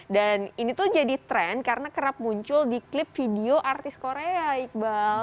dan ini tuh jadi tren karena kerap muncul di klip video artis korea iqbal